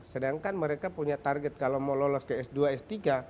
sedangkan mereka punya target kalau mau lolos ke s dua s tiga